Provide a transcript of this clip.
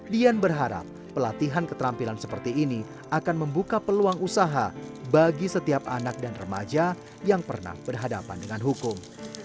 dian berharap pelatihan keterampilan seperti ini akan membuka peluang usaha bagi setiap anak dan remaja yang pernah berhadapan dengan hukum